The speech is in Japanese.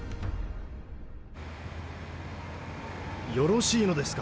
よろしいのですか？